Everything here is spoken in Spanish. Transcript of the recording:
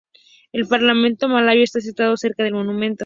El Parlamento Malayo está situado cerca del monumento.